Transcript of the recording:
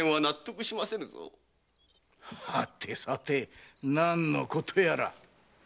はてさて何のことやら。